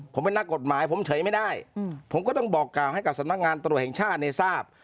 ผมเป็นนักกฎหมายผมเฉยไม่ได้ผมก็ต้องบอกกล่าวให้กับสำนักงานตรวจแห่งชาติในทราบ